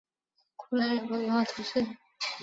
库朗人口变化图示